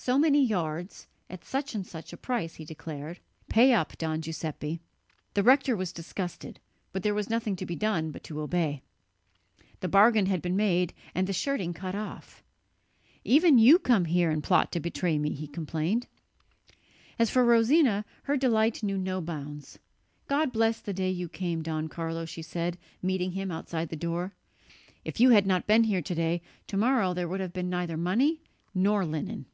"So many yards at such and such a price," he declared. "Pay up, Don Giuseppe!" The rector was disgusted; but there was nothing to be done but to obey. The bargain had been made and the shirting cut off. "Even you come here and plot to betray me," he complained. As for Rosina, her delight knew no bounds. "God bless the day you came, Don Carlo," she said, meeting him outside the door. "If you had not been here to day, to morrow there would have been neither money nor linen!"